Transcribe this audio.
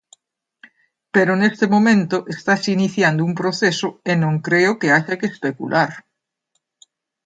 Pero neste momento estase iniciando un proceso, e non creo que haxa que especular.